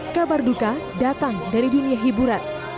kabar duka datang dari dunia hiburan